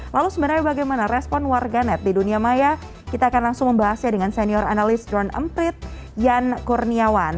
lalu sebenarnya bagaimana respon warga net di dunia maya kita akan langsung membahasnya dengan senior analis drone emprit yan kurniawan